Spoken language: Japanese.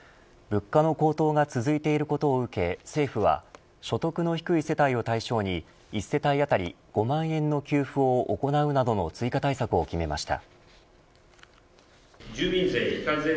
物価の高騰が続いていることを受け政府は所得の低い世帯を対象に１世帯当たり５万円の給付を行うなどの追加対策を決めました。